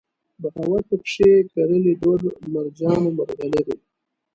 بغاوت پکښې کرلي دُر، مرجان و مرغلرې